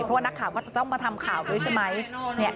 เพราะว่านักข่าวก็จะต้องมาทำข่าวด้วยใช่ไหม